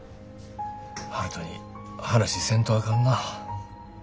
悠人に話せんとあかんな。